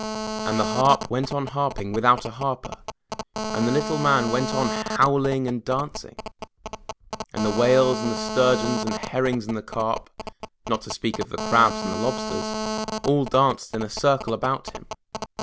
And the harp went on harping without a harper, and the little man went on howling and dancing, and the whales and the stur geons and herrings and carp, not to speak of the crabs and the lobsters, all danced in a circle about him.